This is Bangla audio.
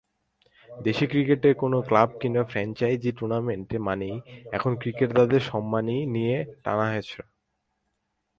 দেশের ক্রিকেটে কোনো ক্লাব কিংবা ফ্র্যাঞ্চাইজি টুর্নামেন্ট মানেই এখন ক্রিকেটারদের সম্মানী নিয়ে টানাহেঁচড়া।